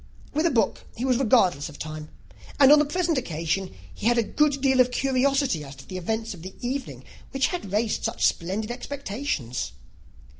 With a book, he was regardless of time; and on the present occasion he had a good deal of curiosity as to the event of an evening which had raised such splendid expectations.